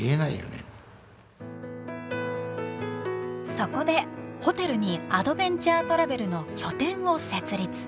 そこでホテルにアドベンチャートラベルの拠点を設立。